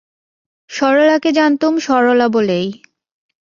সরলাকে জানতুম সরলা বলেই।